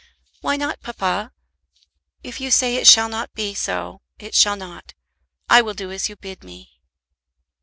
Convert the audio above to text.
"Why not, papa? If you say it shall not be so, it shall not. I will do as you bid me."